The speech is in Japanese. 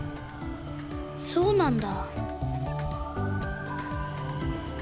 そうなんだ。